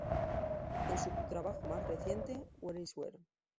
En su trabajo más reciente "Where is Where?